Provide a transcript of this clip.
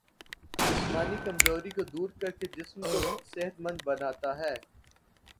جسمانی کمزوری کو دور کرکے جسم کو صحت مند بناتا ہے